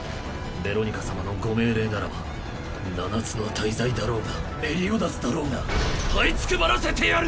ベロニカ様のご命令ならば七つの大罪だろうがメリオダスだろうが這いつくばらせてやる！